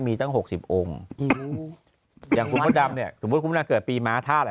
มีตั้งหกสิบองค์อยู่อย่างคุณพ่อดำเนี้ยสมมุติคุณพ่อดำเกิดปีม้าท่าแหละ